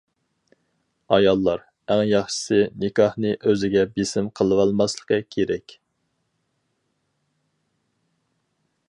ئاياللار، ئەڭ ياخشىسى، نىكاھنى ئۆزىگە بېسىم قىلىۋالماسلىقى كېرەك.